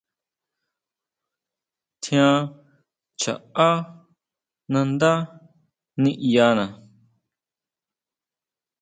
Tjián chaʼá nandá niʼyana.